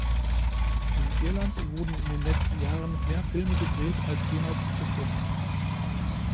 In Irland wurden in den letzten Jahren mehr Filme gedreht als jemals zuvor.